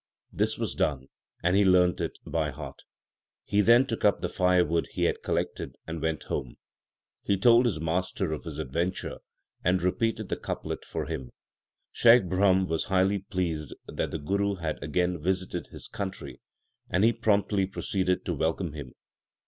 This was done, and he learned it by heart. He then took up the firewood he had collected and went home. He told his master of his adventure, and repeated the couplet for him. Shaikh Brahm was highly pleased that the Guru had again visited his country, and he promptly proceeded to welcome him.